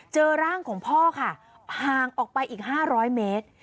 เจอร่างของพ่อค่ะห่างออกไปอีก๕๐๐เมตร